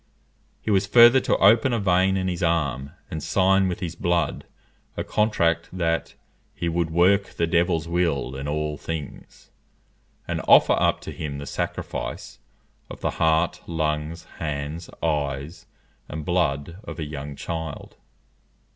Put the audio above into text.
He was further to open a vein in his arm, and sign with his blood a contract that "he would work the devil's will in all things," and offer up to him a sacrifice of the heart, lungs, hands, eyes, and blood of a young child.